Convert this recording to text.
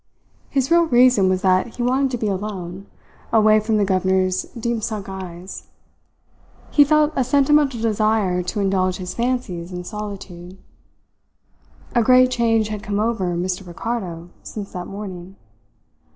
His real reason was that he wanted to be alone, away from the governor's deep sunk eyes. He felt a sentimental desire to indulge his fancies in solitude. A great change had come over Mr. Ricardo since that morning.